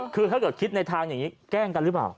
คือถ้าเกิดคิดในทางอย่างนี้แกล้งกันหรือเปล่า